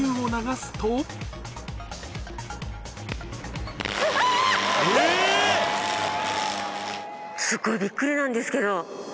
すごい、びっくりなんですけ